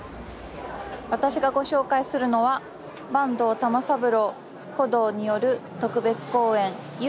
私がご紹介するのは坂東玉三郎鼓童による特別公演「幽玄」です。